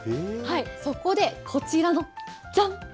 そこでこちらの、じゃん！